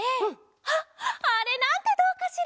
あっあれなんてどうかしら？